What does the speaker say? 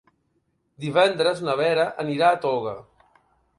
Divendres na Vera anirà a Toga.